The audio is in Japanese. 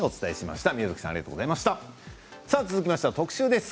続きましては特集です。